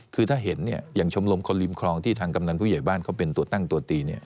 คือถ้าเห็นอย่างชมรมคนริมคลองที่ทางกำนันผู้ใหญ่บ้านเขาเป็นตัวตั้งตัวตี